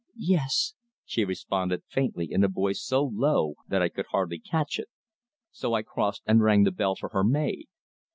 "Yes," she responded faintly in a voice so low that I could hardly catch it. So I crossed and rang the bell for her maid.